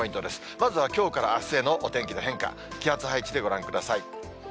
まずはきょうからあすへのお天気の変化、気圧配置でご覧ください。